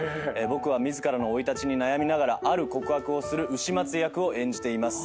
僕は自らの生い立ちに悩みながらある告白をする丑松役を演じています。